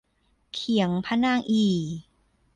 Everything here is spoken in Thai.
เขียงพระนางอี่